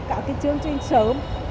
cả cái chương trình sớm